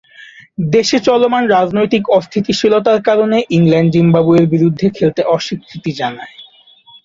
দেশে চলমান রাজনৈতিক অস্থিতিশীলতার কারণে ইংল্যান্ড জিম্বাবুয়ের বিরুদ্ধে খেলতে অস্বীকৃতি জানায়।